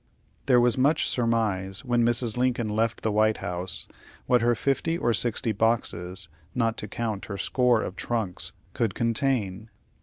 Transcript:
There was much surmise, when Mrs. Lincoln left the White House, what her fifty or sixty boxes, not to count her score of trunks, could contain.